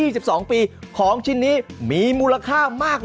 ชะลองที่พอเลยกับแม่